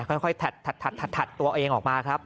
ค่อยถัดตัวเองออกมาครับ